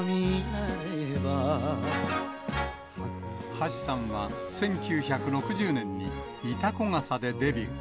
橋さんは１９６０年に、潮来笠でデビュー。